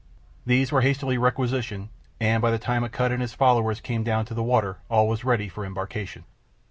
These were hastily requisitioned, and by the time Akut and his followers came down to the water all was ready for embarkation.